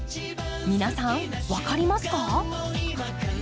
皆さん分かりますか？